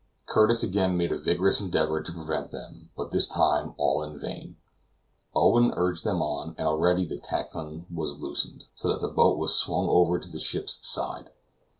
Curtis again made a vigorous endeavor to prevent them, but this time all in vain; Owen urged them on, and already the tackling was loosened, so that the boat was swung over to the ship's side.